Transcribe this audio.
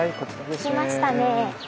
着きましたね。